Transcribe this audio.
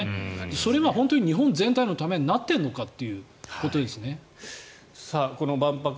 それが本当に日本全体のためになっているのかと。